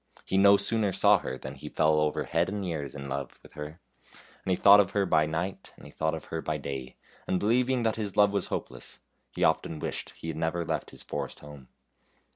He no sooner saw her than he fell over head and ears in love with her, and he thought of her by night, and he thought of her by day, and believing that his love was hopeless, he often wished he had never left his forest home.